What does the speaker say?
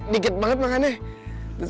dikit banget makannya